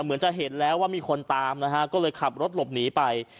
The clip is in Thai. เหมือนจะเห็นแล้วว่ามีคนตามนะฮะก็เลยขับรถหลบหนีไป